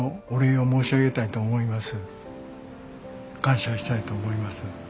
感謝したいと思います。